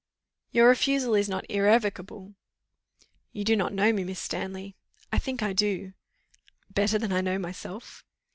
"Your refusal is not irrevocable." "You do not know me, Miss Stanley." "I think I do." "Better than I know myself."